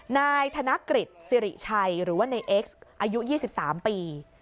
นายธนกฤษสิริชัยหรือว่าในเอ็กซ์อายุ๒๓ปี